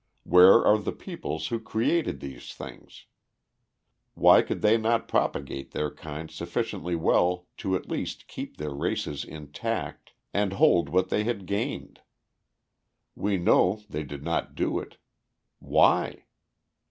Where are the peoples who created these things? Why could they not propagate their kind sufficiently well to at least keep their races intact, and hold what they had gained? We know they did not do it. Why?